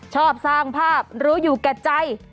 ชอบสร้างภาพรู้อยู่แก่ใจ